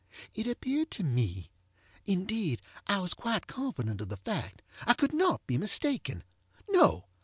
It appeared to meŌĆöindeed I was quite confident of the factŌĆöI could not be mistakenŌĆöno!